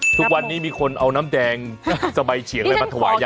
ทุกวันนี้มีคนเอาน้ำแดงสบายเฉียงเลยมาถ่วญสิ